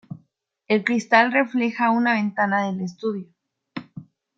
El cristal refleja una ventana del estudio.